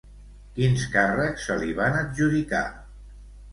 Quins càrrecs se li van adjudicar?